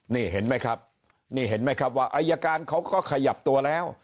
นี่เห็นไหมครับนี่เห็นไหมครับว่าอายการเขาก็ขยับตัวแล้ว